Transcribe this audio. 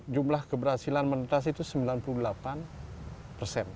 jumlah keberhasilan menetas itu sembilan puluh delapan persen